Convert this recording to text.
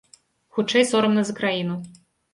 Хутчэй, сорамна за краіну.